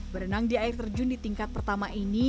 berenang di air terjun di tingkat pertama ini